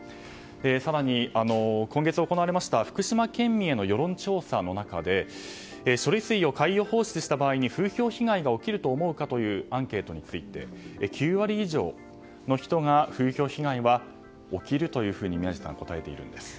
更に、今月行われました福島県民への世論調査の中で処理水を海洋放出した場合に風評被害が起きると思うかというアンケートについて９割以上の人が風評被害は起きるというふうに宮司さん、応えているんです。